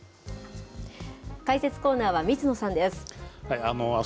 解説コーナーは、水野さんです。